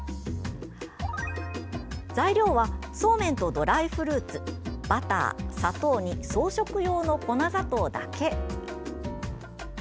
材料はそうめんとドライフルーツバター、砂糖に装飾用の粉砂糖だけ。